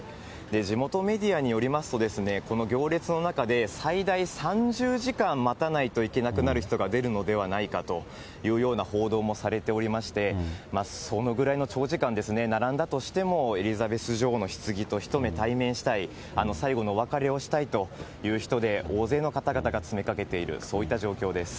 地元メディアによりますと、この行列の中で、最大３０時間待たないといけなくなる人が出るのではないかというような報道もされておりまして、そのぐらいの長時間、並んだとしても、エリザベス女王のひつぎと、ひと目対面したい、最後のお別れをしたいという人で、大勢の方々が詰めかけている、そういった状況です。